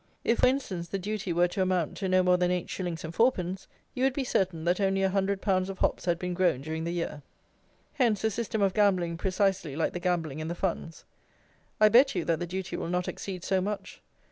If, for instance, the duty were to amount to no more than eight shillings and fourpence, you would be certain that only a hundred pounds of hops had been grown during the year. Hence a system of gambling precisely like the gambling in the funds. I bet you that the duty will not exceed so much.